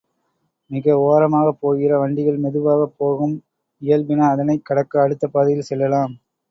மிக ஓரமாகப் போகிற வண்டிகள் மெதுவாகப் போகும் இயல்பின அதனைக் கடக்க அடுத்த பாதையில் செல்லலாம்.